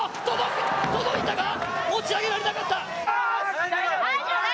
届いたか、持ち上げられなかった。